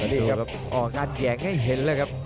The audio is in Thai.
อ๋องานแยงให้เห็นแล้วครับ